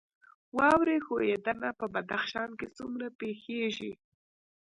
واورې ښویدنه په بدخشان کې څومره پیښیږي؟